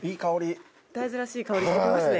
大豆らしい香りして来ますね。